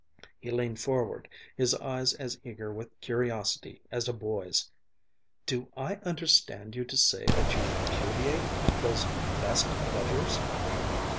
He leaned forward, his eyes as eager with curiosity as a boy's. "Do I understand you to say that you repudiate those 'best pleasures'?"